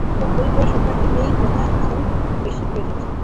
অথবা বই পড়া সম্পর্কে এই কথা আরও বেশি প্রযোজ্য।